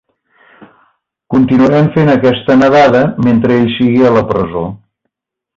Continuarem fent aquesta nedada mentre ell sigui a la presó.